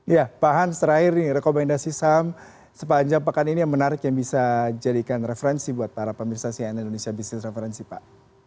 ya pak hans terakhir nih rekomendasi saham sepanjang pekan ini yang menarik yang bisa jadikan referensi buat para pemirsa cnn indonesia business referensi pak